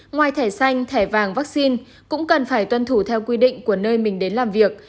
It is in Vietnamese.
ngoài thẻ xanh thẻ vàng vaccine cũng cần phải tuân thủ theo quy định của nơi mình đến làm việc